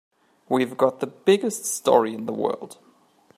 We've got the biggest story in the world.